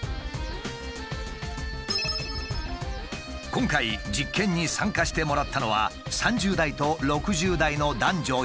今回実験に参加してもらったのは３０代と６０代の男女４名。